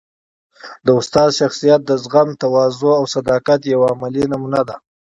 د استاد شخصیت د زغم، تواضع او صداقت یوه عملي نمونه ده.